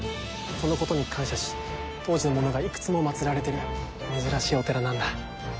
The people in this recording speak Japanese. そのことに感謝し当時のものがいくつも祭られてる珍しいお寺なんだ。